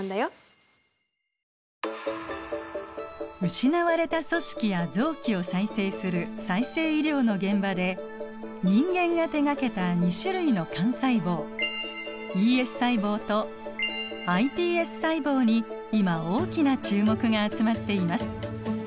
失われた組織や臓器を再生する再生医療の現場で人間が手がけた２種類の幹細胞ＥＳ細胞とｉＰＳ細胞に今大きな注目が集まっています。